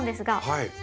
はい。